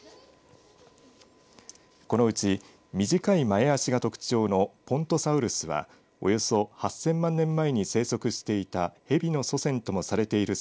このうち短い前足が特徴のポントサウルスはおよそ８０００万年前に生息していたへびの祖先ともされている